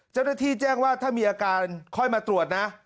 เจ้าหน้าที่แจ้งว่าถ้ามีอาการค่อยมาตรวจนะ